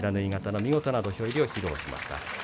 見事な土俵入りを披露しました。